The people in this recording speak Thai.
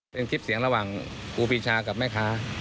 เป็นคลิปเสียงระหว่างครูปีชากับแม่ค้า